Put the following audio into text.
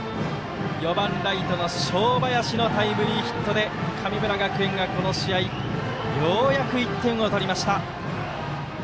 ４番ライトの正林のタイムリーヒットで神村学園が、この試合ようやく１点を取りました。